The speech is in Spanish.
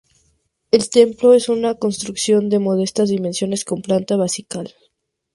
El templo es una construcción de modestas dimensiones con planta basilical.